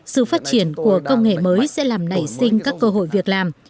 sự phát triển của công nghệ mới sẽ làm nảy sinh các cơ hội việc làm